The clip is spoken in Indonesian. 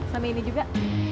sama ini juga